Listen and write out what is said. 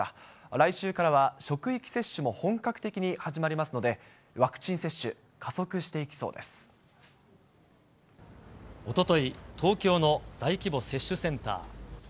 来週からは職域接種も本格的に始まりますので、ワクチン接種、おととい、東京の大規模接種センター。